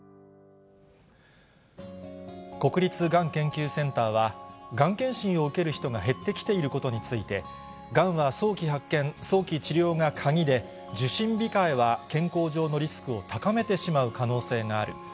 国立がん研究センターは、がん検診を受ける人が減ってきていることについて、がんは早期発見、早期治療が鍵で、受診控えは健康上のリスクを高めてしまう可能性がある。